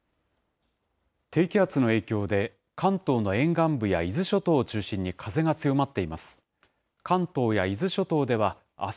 低気圧の影響で、関東の沿岸部や伊豆諸島を中心に風が強まっています。